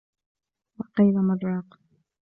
وَقيلَ مَن راقٍ